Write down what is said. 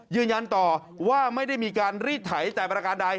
ยืนยันต่อว่าไม่ได้มีการรีดไถแต่ประการใด